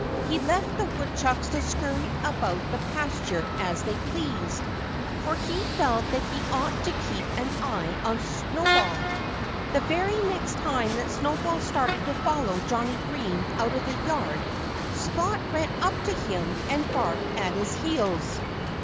He left the woodchucks to scurry about the pasture as they pleased. For he felt that he ought to keep an eye on Snowball. The very next time that Snowball started to follow Johnnie Green out of the yard Spot ran up to him and barked at his heels.